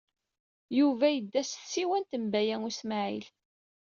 Yuba yedda s tsiwant n Baya U Smaɛil.